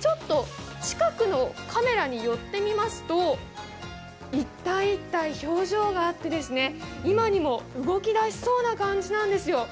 ちょっと近くのカメラに寄ってみますと、一体一体、表情があって今にも動き出しそうな感じなんですよ。